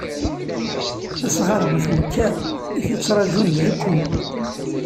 Asɣar bu twekka, i t-ittṛaǧun d rekku.